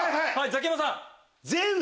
ザキヤマさん。